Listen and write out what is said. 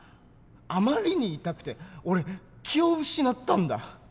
あまりに痛くて俺気を失ったんだ。